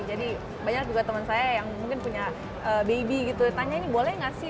jadi banyak juga temen saya yang mungkin punya baby gitu tanya ini boleh gak sih